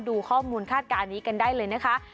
ดูข้อมูลคาดการณ์นี้กันได้เลยนะคะ